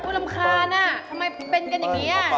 รำคาญอ่ะทำไมเป็นกันอย่างนี้